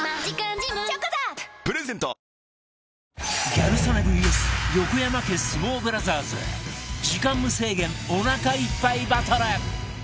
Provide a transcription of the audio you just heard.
ギャル曽根 ＶＳ 横山家相撲ブラザーズ時間無制限おなかいっぱいバトル